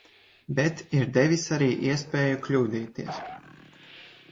Bet ir devis arī iespēju kļūdīties.